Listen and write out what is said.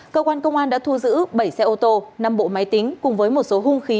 cơ quan công an đã thu giữ bảy xe ô tô năm bộ máy tính cùng với một số hung khí